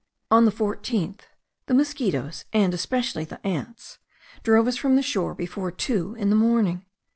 On the 14th, the mosquitos, and especially the ants, drove us from the shore before two in the morning.